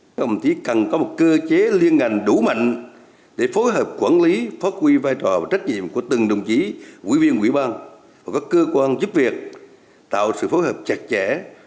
các đồng chí cần có một cơ chế liên ngành đủ mạnh để phối hợp quản lý phát huy vai trò và trách nhiệm của từng đồng chí quỹ viên quỹ ban và các cơ quan giúp việc tạo sự phối hợp chặt chẽ